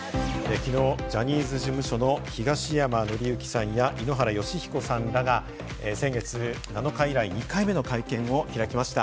きのうジャニーズ事務所の東山紀之さんや井ノ原快彦さんらが先月７日以来、２回目の会見を開きました。